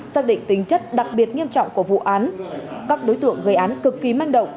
xác định tính chất đặc biệt nghiêm trọng của vụ án các đối tượng gây án cực kỳ manh động